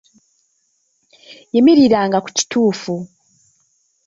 Yimiriranga ku kituufu.